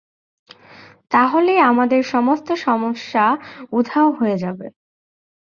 তাহলেই আমাদের সমস্ত সমস্যা উধাও হয়ে যাবে।